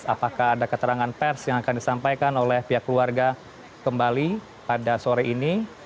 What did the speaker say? apakah ada keterangan pers yang akan disampaikan oleh pihak keluarga kembali pada sore ini